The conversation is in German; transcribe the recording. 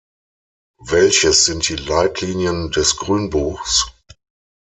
Welches sind die Leitlinien des Grünbuchs?